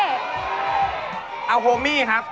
ต้องทำเป็นสามกษัตริย์นะ